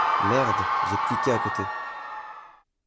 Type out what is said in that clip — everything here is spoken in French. Merde j'ai cliqué à côté.